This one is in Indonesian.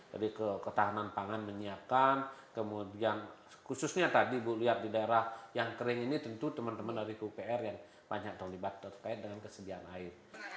ketahanan pangan menyiapkan kemudian khususnya tadi bu lihat di daerah yang kering ini tentu teman teman dari pupr yang banyak terlibat terkait dengan kesediaan air